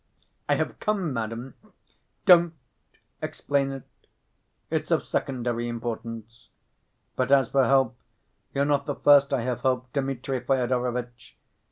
I have come, madam—" "Don't explain it. It's of secondary importance. But as for help, you're not the first I have helped, Dmitri Fyodorovitch.